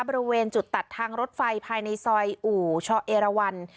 บริเวณจุดตัดทางรถไฟภายในซอยอู่ชอเอราวัน